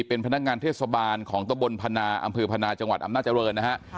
เป็นพนักงานเทศบาลของตะบนพนาอำเภอพนาจังหวัดอำนาจริงนะฮะ